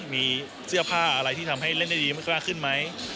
มีเสื้อผ้าอะไรที่ทำให้เล่นได้ดีไม่กล้าขึ้นไหม